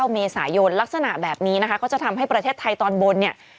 เมษายนลักษณะแบบนี้นะคะก็จะทำให้ประเทศไทยตอนบนเนี่ย